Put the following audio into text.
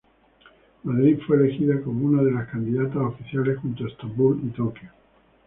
Madrid fue elegida como una de las candidatas oficiales, junto a Estambul y Tokio.